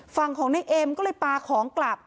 ฟังของนัยเอมเลยปลาของกลับ